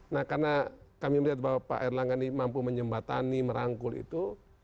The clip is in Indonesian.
nah karena kami melihat bahwa pak erlangga ini mampu menyembatani merangkul itu